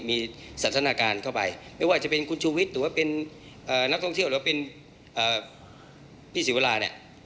มีสันทนาการเข้าไปไม่ว่าจะเป็นคุณชูวิทย์หรือว่าเป็นนักท่องเที่ยวหรือเป็นพี่ศิวราเนี่ย